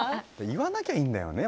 言わなきゃいいんだよね